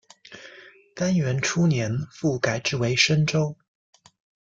干元初年复改置为深州。